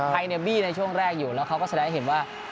ไอเนี่ยบี้ในช่วงแรกอยู่แล้วเขาก็แสดงให้เห็นว่า